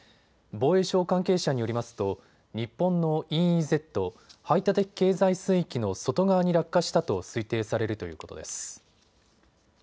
防衛省関係者によりますと日本のＥＥＺ・排他的経済水域の外側に落下したと推定されるということです。